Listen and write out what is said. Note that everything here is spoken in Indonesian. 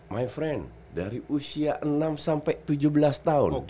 my friend dari usia enam sampai tujuh belas tahun